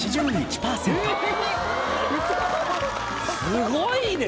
すごいね！